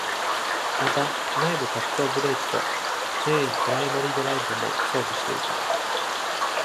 また、内部拡張ブレーキとチェーンプライマリドライブも装備していた。